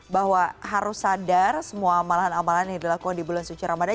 bahwa harus sadar semua amalan amalan yang dilakukan di bulan suci ramadan